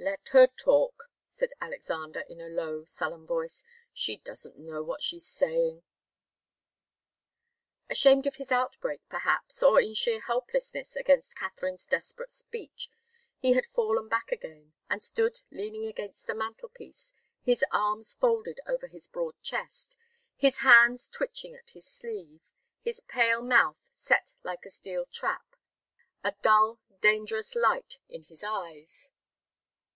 "Let her talk," said Alexander, in a low, sullen voice. "She doesn't know what she's saying." Ashamed of his outbreak, perhaps, or in sheer helplessness against Katharine's desperate speech, he had fallen back again and stood leaning against the mantelpiece, his arms folded over his broad chest, his hands twitching at his sleeve, his pale mouth set like a steel trap, a dull, dangerous light in his eyes.